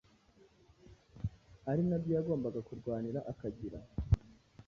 ari nabyo yagombaga kurwanira akagira.